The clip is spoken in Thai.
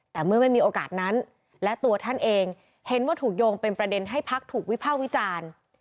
แต่เมื่อไม่มีโอกาสนั้นและตัวท่านเองเห็นว่าถูกโยงเป็นประเด็นให้พักถูกวิภาควิจารณ์